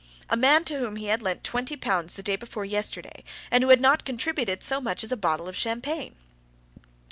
A man to whom he had lent twenty pounds the day before yesterday, and who had not contributed so much as a bottle of champagne!